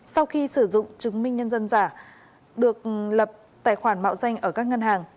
sau khi sử dụng chứng minh nhân dân giả được lập tài khoản mạo danh ở các ngân hàng